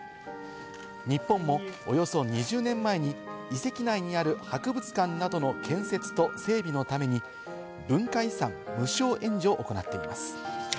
日本もおよそ２０年前に遺跡内にある博物館などの建設と整備のために文化遺産無償援助を行っています。